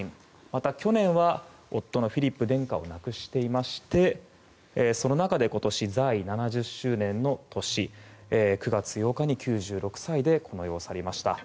また、去年は夫のフィリップ殿下を亡くしておりましてその中で今年在位７０周年の年９月８日に９６歳でこの世を去りました。